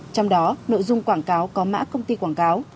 trong đó nội dung quảng cáo có mã công ty quảng cáo